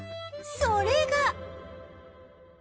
それが